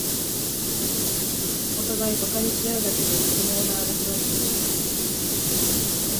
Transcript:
おたがいバカにしあうだけで不毛な争い